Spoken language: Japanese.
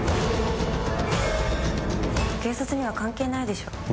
警察には関係ないでしょ。